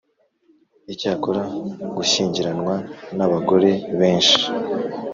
Icyakora gushyingiranwa n abagore benshi